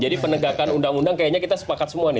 jadi penegakan undang undang kayaknya kita sepakat semua nih